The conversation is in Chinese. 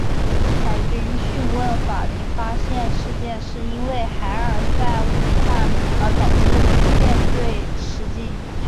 海军讯问法庭发现事件是因为海尔赛误判而导致舰队驶进台风中。